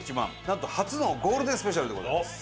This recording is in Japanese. なんと初のゴールデンスペシャルでございます。